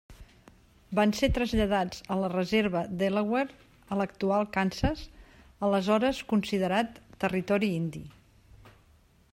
Van ser traslladats a la reserva Delaware a l'actual Kansas, aleshores considerat Territori Indi.